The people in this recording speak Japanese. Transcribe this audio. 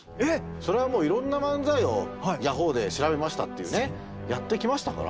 それはもういろんな漫才を「ヤホーで調べました」っていうねやってきましたから。